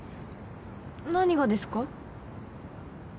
何がですか？